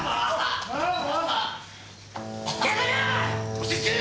落ち着け！